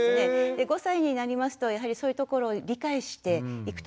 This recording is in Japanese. ５歳になりますとやはりそういうところ理解していくと思いますので。